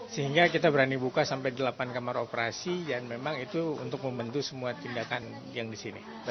sehingga kita berani buka sampai delapan kamar operasi dan memang itu untuk membentuk semua tindakan yang di sini